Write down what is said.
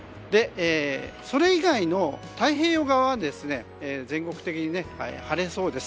それ以外の太平洋側は全国的に晴れそうです。